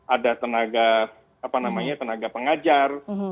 ada tenaga apa namanya tenaga pengajar